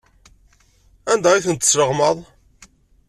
Anda ay tent-tesleɣmaḍ?